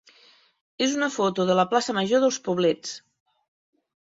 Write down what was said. és una foto de la plaça major dels Poblets.